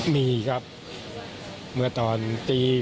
มีครับเมื่อตอนตีประวัติศาสตร์